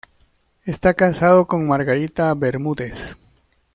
Está casado con Margarita Bermúdez.